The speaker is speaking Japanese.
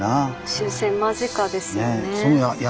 終戦間近ですよね。